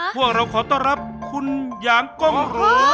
พวกเราขอต้อนรับคุณอย่างกล้องหรู